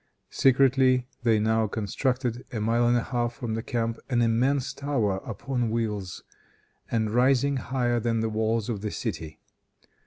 Secretly they now constructed, a mile and a half from the camp, an immense tower upon wheels, and rising higher than the walls of the city.